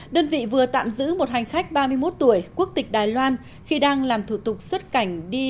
đơn vị vừa tạm giữ một hành khách ba mươi một tuổi quốc tịch đài loan khi đang làm thủ tục xuất cảnh đi